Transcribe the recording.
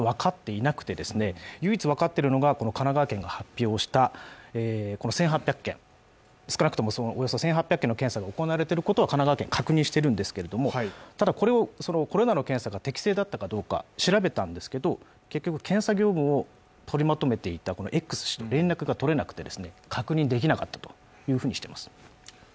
唯一分かっているのは神奈川県の発表した少なくとも１８００件の検査が行われていることは神奈川県が確認しているんですけれども、ただ、これらの検査が適正だったかどうか調べたんですけど、結局、検査業務をとりまとめていたＸ氏と連絡が取れなくて確認できなかったというふうにしています。